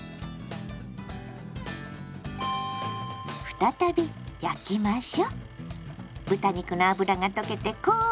再び焼きましょう。